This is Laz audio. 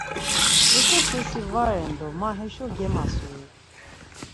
Haşo sersi va ren do ma heşo gemasui?